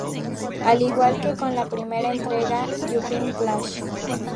Al igual que con la primera entrega, "Jumping Flash!